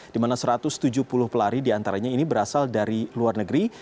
di mana satu ratus tujuh puluh pelari diantaranya ini berasal dari luar negeri